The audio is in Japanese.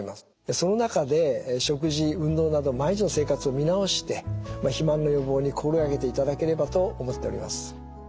その中で食事運動など毎日の生活を見直して肥満の予防に心がけていただければと思っております。